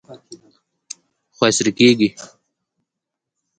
خو عصري کیږي.